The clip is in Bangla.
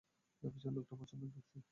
পিছনের লোকটা প্রচুর নাক ডাকছে।